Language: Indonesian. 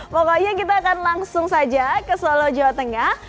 pokoknya kita akan langsung saja ke solo jawa tengah